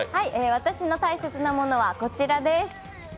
私の大切なものはこちらです。